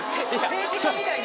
政治家みたいな。